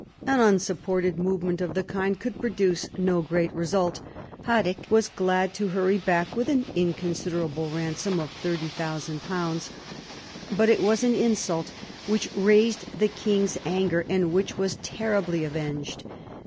An unsupported movement of the kind could produce no great result. Haddick was glad to hurry back with an inconsiderable ransom of £30,000. But it was an insult which raised the king's anger, and which was terribly avenged.